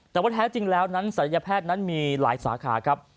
แต่ว่าแท้จริงแล้วนั้นศัลยแพทย์นั้นมีหลายสาขาครับ